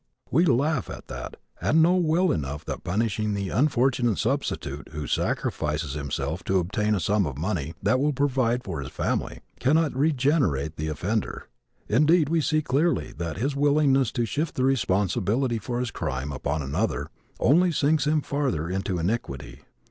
We laugh at that and know well enough that punishing the unfortunate substitute, who sacrifices himself to obtain a sum of money that will provide for his family, cannot regenerate the offender. Indeed, we see clearly that his willingness to shift the responsibility for his crime upon another only sinks him farther into iniquity.